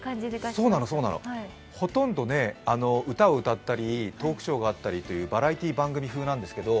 そうなの、そうなのほとんど歌を歌ったりトークショーがあったりというバラエティー番組風なんですけど